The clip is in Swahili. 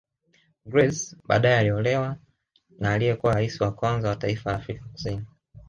Grace badae aliolewa na aliyekuwa raisi wa kwanza wa taifa la Afrika Kusini